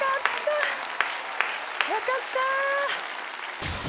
よかった。